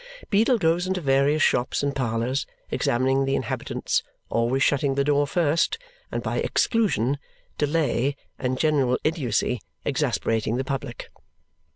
Beadle goes into various shops and parlours, examining the inhabitants, always shutting the door first, and by exclusion, delay, and general idiotcy exasperating the public.